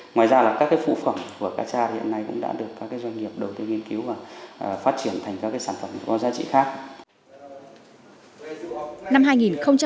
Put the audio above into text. ngoài ra các phụ phẩm của cá cha hiện nay cũng đã được các doanh nghiệp đầu tư nghiên cứu và phát triển thành các sản phẩm có giá trị khác